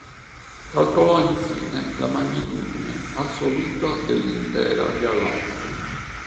Calcolò infine la magnitudine assoluta dell'intera galassia.